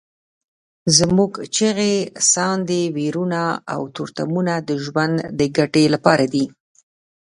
زموږ چیغې، ساندې، ویرونه او تورتمونه د ژوند د ګټې لپاره دي.